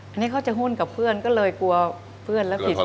อันนี้เขาจะหุ้นกับเพื่อนก็เลยกลัวเพื่อนรับผิด